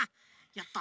やった！